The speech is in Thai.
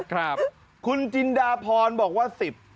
คุณจินดาพรบอกว่า๑๐